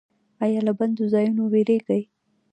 ایا له بندو ځایونو ویریږئ؟